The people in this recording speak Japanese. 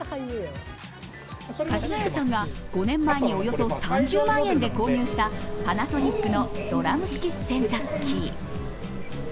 かじがやさんが５年前におよそ３０万円で購入したパナソニックのドラム式洗濯機。